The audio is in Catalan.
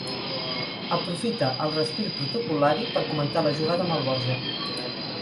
Aprofita el respir protocol·lari per comentar la jugada amb el Borja.